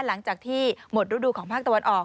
หลังจากที่หมดฤดูของภาคตะวันออก